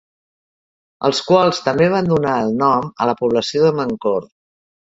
Els quals també van donar el nom a la població de Mancor.